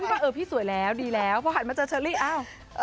พี่มิวว่าเออพี่สวยแล้วดีแล้วเพราะหันมาเจอเชอรี่เอ้า